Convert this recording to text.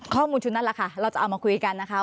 ข้อมูลชุดนั้นล่ะค่ะเราจะเอามาคุยกันนะคะ